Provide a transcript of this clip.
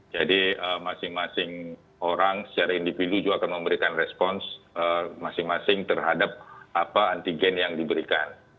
jadi masing masing orang secara individual juga akan memberikan respons masing masing terhadap apa anti gen yang diberikan